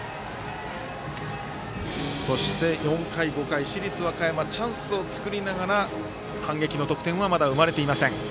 そして、４回、５回、市立和歌山チャンスを作りながら反撃の得点は生まれていません。